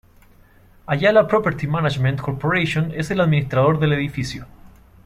Ayala Property Management Corporation es el administrador del edificio.